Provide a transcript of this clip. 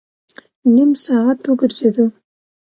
نیم ساعت وګرځېدو.